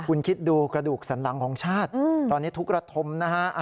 คุณคิดดูกระดูกสันหลังของชาติตอนนี้ทุกระทมนะฮะ